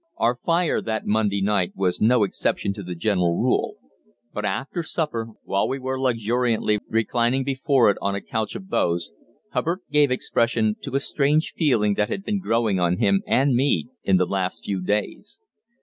Our fire that Monday night was no exception to the general rule, but after supper, while we were luxuriantly reclining before it on a couch of boughs, Hubbard gave expression to a strange feeling that had been growing on him and me in the last few days.